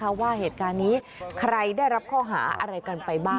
เพราะว่าเหตุการณ์นี้ใครได้รับข้อหาอะไรกันไปบ้าง